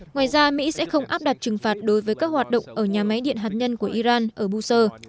ngoài ra mỹ sẽ không áp đặt trừng phạt đối với các hoạt động ở nhà máy điện hạt nhân của iran ở busur